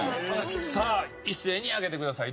さあ一斉に上げてください。